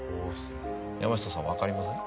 山下さんわかりません？